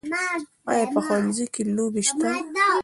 آیا په ښوونځي کې لوبې سته؟